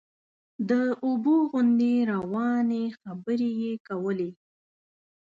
د اوبو غوندې روانې خبرې یې کولې.